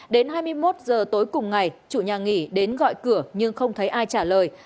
đến hai mươi một h tối cùng ngày chủ nhà nghỉ đến gọi cửa nhưng không thấy ai trả lời